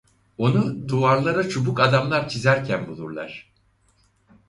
Onu duvarlara çubuk adamlar çizerken bulurlar.